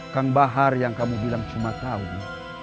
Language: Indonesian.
kang bahar yang kamu bilang cuma tahu